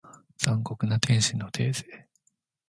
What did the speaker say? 残酷な天使のテーゼ